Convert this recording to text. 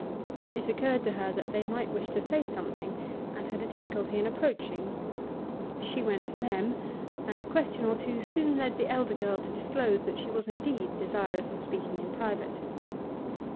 It occurred to her that they might wish to say something and had a difficulty in approaching. She went to them, and a question or two soon led the elder girl to disclose that she was indeed desirous of speaking in private.